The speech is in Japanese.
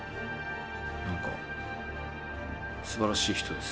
何かすばらしい人です。